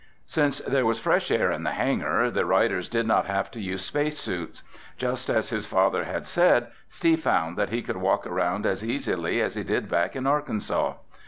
Since there was fresh air in the hangar, the riders did not have to use space suits. Just as his father had said, Steve found that he could walk around as easily as he did back in Arkansas.